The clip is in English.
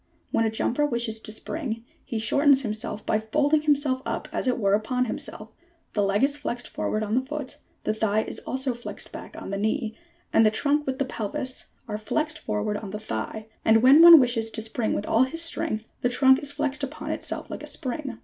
When a jumper wishes to spring, he shortens himself by folding himself up as it were upon himself; the leg is flexed forward on the foot, the thigh is also flexed back on the leg, and the trunk with the pelvis are flexed forward on the thigh ; and, when one wishes to spring with all his strength, the trunk is flexed upon itself like a spring.